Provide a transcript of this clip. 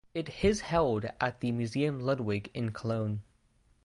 It his held at the Museum Ludwig in Cologne.